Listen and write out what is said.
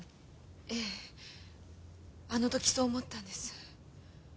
えぇあのときそう思ったんです。